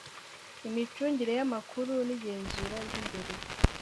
imicungire y amakuru n igenzura ry imbere